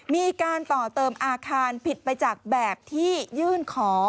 มีการต่อเติมอาคารผิดไปจากแบบที่ยื่นขอ